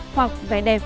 hoặc vẻ đẹp